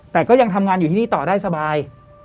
แต่ก็ยังทำงานอยู่ที่นี่ต่อได้สบาย